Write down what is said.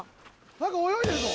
何か泳いでるぞ。